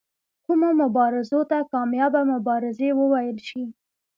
کومو مبارزو ته کامیابه مبارزې وویل شي.